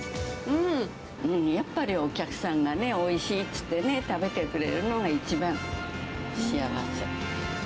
やっぱりお客さんがね、おいしいって言って食べてくれるのが一番幸せ。